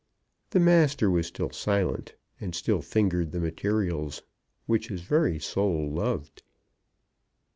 The master was still silent, and still fingered the materials which his very soul loved.